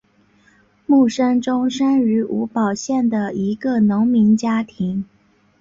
慕生忠生于吴堡县的一个农民家庭。